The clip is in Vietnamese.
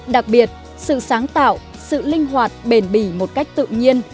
đặc biệt sự sáng tạo sự linh hoạt bền bỉ một cách tự nhiên